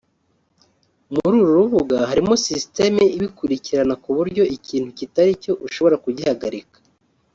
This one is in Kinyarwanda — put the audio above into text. muri uru rubuga harimo system ibikurikirana kuburyo ikintu kitaricyo ushobora kugihagarika